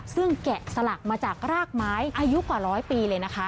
ซึ่งแกะสลักมาจากรากไม้อายุกว่าร้อยปีเลยนะคะ